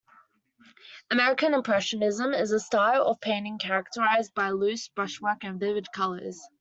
American Impressionism is a style of painting characterized by loose brushwork and vivid colors.